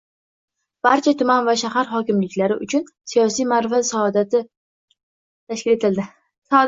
Barcha tuman va shahar hokimliklari uchun "Siyosiy ma’rifat soati" tashkil etildi